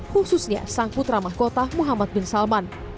khususnya sang putra mahkota muhammad bin salman